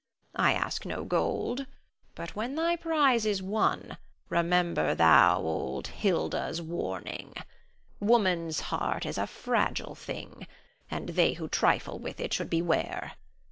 I ask no gold. But when thy prize is won, remember thou old Hilda's warning. Woman's heart is a fragile thing, and they who trifle with it should beware.